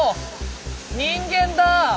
人間だ！